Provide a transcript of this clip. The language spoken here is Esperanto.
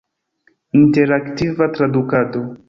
Interaktiva tradukado.